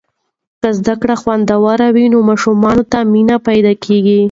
که زده کړه خوندوره وي، نو ماشومانو ته مینه پیدا کیږي.